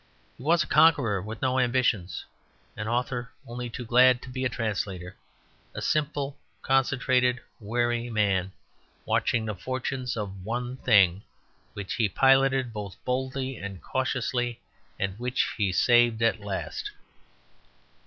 He was a conqueror, with no ambition; an author only too glad to be a translator; a simple, concentrated, wary man, watching the fortunes of one thing, which he piloted both boldly and cautiously, and which he saved at last.